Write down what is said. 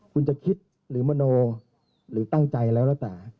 คุณจะคิดหรือมโนหรือตั้งใจแล้วแล้วแต่